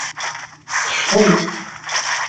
Teccḍem.